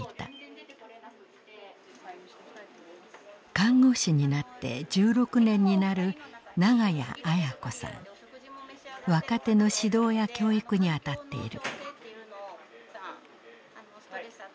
看護師になって１６年になる若手の指導や教育に当たっている。